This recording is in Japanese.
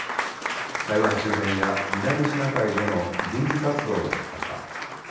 台湾周辺や南シナ海での軍事活動の活発化